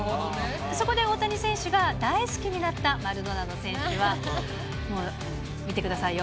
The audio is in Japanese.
そこで大谷選手が大好きになったマルドナド選手は、もう見てくださいよ。